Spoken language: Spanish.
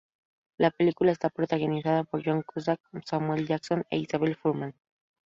La película está protagonizada por John Cusack, Samuel L. Jackson e Isabelle Fuhrman.